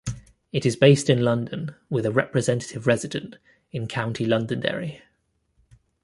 It is based in London, with a "Representative" resident in County Londonderry.